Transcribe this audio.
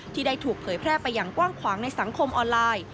ที่ได้ถูกเผยแพร่ไปอย่างกว้างขวางในสังคมออนไลน์